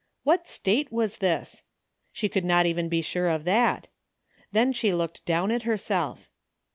What State was this? She could not even be sure of that Then she looked down at herself.